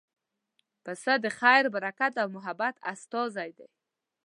پسه د خیر، برکت او محبت استازی دی.